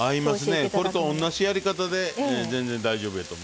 これと同じやり方で全然大丈夫やと思います。